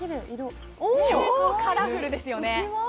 超カラフルですよね。